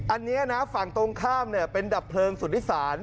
อันนี้นะฝั่งตรงข้ามเนี่ยเป็นดับเพลิงศุษธศาสตร์